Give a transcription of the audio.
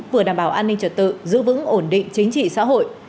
vừa đảm bảo an ninh trật tự giữ vững ổn định chính trị xã hội